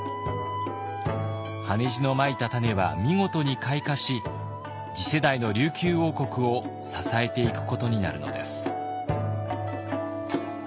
羽地のまいた種は見事に開花し次世代の琉球王国を支えていくことになるのです。